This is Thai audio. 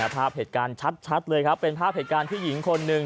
ภาพเหตุการณ์ชัดเลยครับเป็นภาพเหตุการณ์ที่หญิงคนหนึ่ง